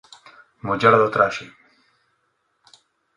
Muller do traxe.